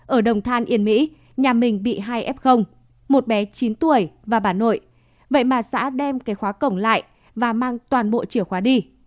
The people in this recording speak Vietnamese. ở đồng than yên mỹ nhà mình bị hai f một bé chín tuổi và bà nội vậy mà xã đem cái khóa cổng lại và mang toàn bộ chìa khóa đi